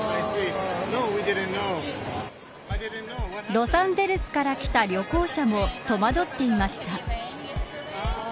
ロサンゼルスから来た旅行者も戸惑っていました。